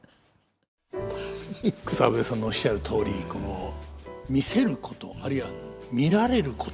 草笛さんのおっしゃるとおり「見せること」あるいは「見られること」。